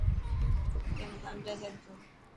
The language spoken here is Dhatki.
اي نا سمجهائي ڇڏ تون.